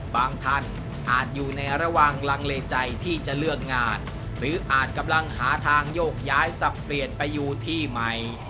ท่านอาจอยู่ในระหว่างลังเลใจที่จะเลือกงานหรืออาจกำลังหาทางโยกย้ายสับเปลี่ยนไปอยู่ที่ใหม่